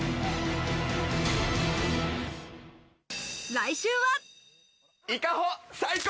来週は。